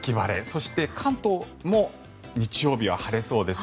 そして、関東も日曜日は晴れそうです。